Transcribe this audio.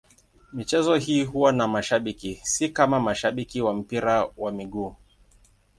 Michezo hii huwa na mashabiki, si kama mashabiki wa mpira wa miguu.